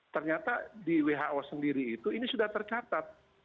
ternyata di who sendiri itu ini sudah tercatat